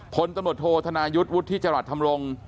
พลตำรวจโทษธนายุทธ์วุฒิจรัสธรรมรงค์